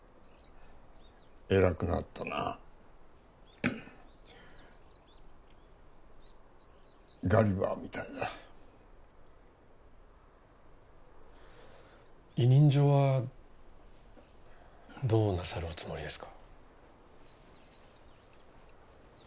偉くなったなガリバーみたいだ委任状はどうなさるおつもりですか？